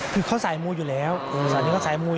คือเขาสายมวยอยู่แล้วสายนี้เขาสายมวย